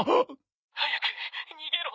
早く逃げろ。